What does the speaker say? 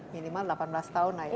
minimal delapan belas tahun aja putri